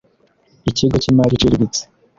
Ikigo cy imari iciriritse